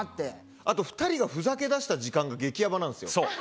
あと２人がふざけ出した時間が激ヤバなんですよ。